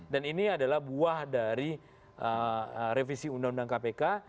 dan ini adalah buah dari revisi undang undang kpk